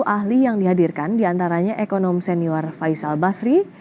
sepuluh ahli yang dihadirkan diantaranya ekonom senior faisal basri